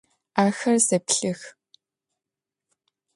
Axer zeplhıx.